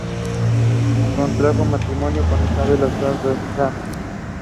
Contrajo matrimonio con Isabel Azuara Beltrán.